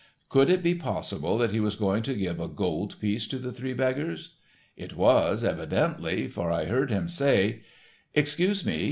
Could it be possible that he was going to give a gold piece to the three beggars? It was, evidently, for I heard him say: "Excuse me.